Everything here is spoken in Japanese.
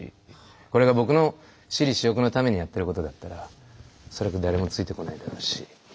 これが僕の私利私欲のためにやってることだったら誰もついてこないだろうし。